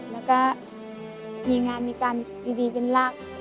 แล้วก็มีงานมีการดีเป็นหลัก